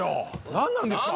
何なんですか！